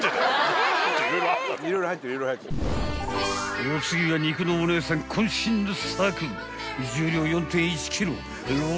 ［お次は肉のお姉さん渾身の作］